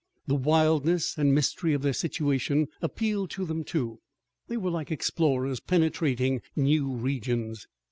The wildness and mystery of their situation appealed to them, too. They were like explorers, penetrating new regions.